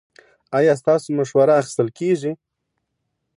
ایا ستاسو مشوره اخیستل کیږي؟